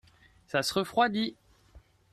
ça se refroidit.